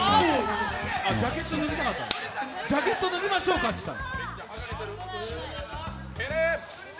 ジャケット脱ぎましょうかって言った。